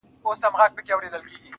درته به وايي ستا د ښاريې سندري.